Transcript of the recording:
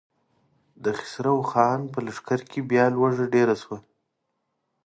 د خسرو خان په لښکر کې بيا لوږه ډېره شوه.